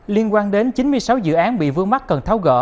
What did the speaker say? liên quan đến chín mươi sáu dự án bị vướng mắt cần tháo gỡ